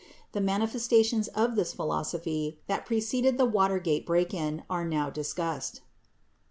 The manifestations of this philosophy that preceded the Watergate break in are now discussed.